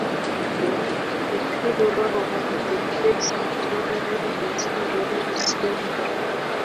wakili wao mtetezi john dodie mhusenge